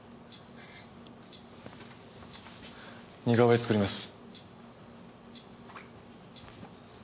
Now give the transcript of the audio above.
似顔絵作ります。